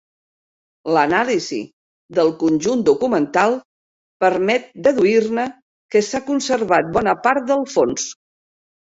L’anàlisi del conjunt documental permet deduir-ne que s’ha conservat bona part del fons.